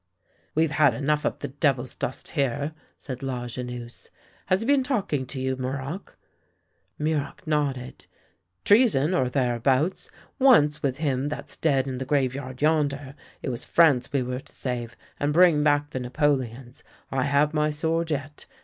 " We've had enough of the devil's dust here," said Lajeunesse. " Has he been talking to you, Muroc? " Muroc nodded. " Treason, or thereabouts. Once, with him that's dead in the graveyard yonder, it was France we were to save, and bring back the Napoleons — I have my sword yet!